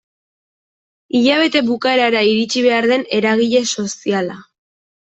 Hilabete bukaerara iritsi behar den eragile soziala.